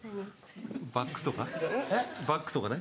バッグとかバッグとかね